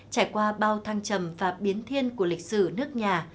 trải qua bao thăng trầm và biến thiên của lịch sử nước nhà